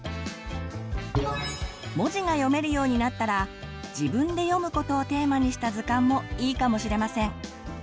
文字が読めるようになったら「自分で読むこと」をテーマにした図鑑もいいかもしれません。